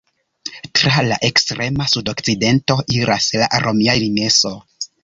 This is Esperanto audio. Tra la ekstrema sudokcidento iras la romia limeso.